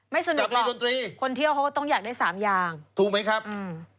ไม่สนุกหรอกคนเที่ยวเขาก็ต้องอยากได้สามอย่างถูกไหมครับอืม